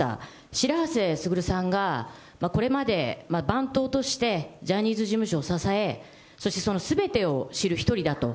白波瀬傑さんが、これまで番頭として、ジャニーズ事務所を支え、そしてそのすべてを知る１人だと。